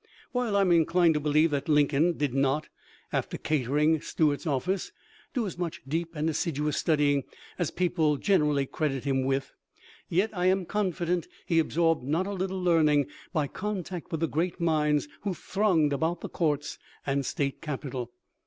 While I am inclined to believe that Lincoln did not, after entering Stuart's of^ce, do as much deep and assiduous studying as people generally credit him with, yet I am confident he absorbed not a little learning by contact with the great minds who thronged about the courts and State Capitol.